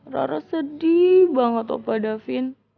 rara sediii banget apa da vin